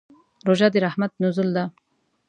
روژه د رحمت نزول دی.